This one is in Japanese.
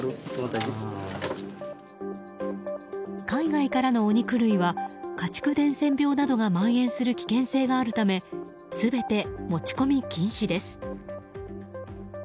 海外からのお肉類は家畜伝染病などが蔓延する危険性があるため全て持ち込み禁止です。